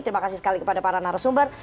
terima kasih sekali kepada para narasumber